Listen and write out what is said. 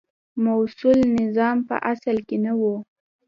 مسوول نظام په اصل کې نه و.